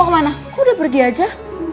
mau kemana kok udah pergi aja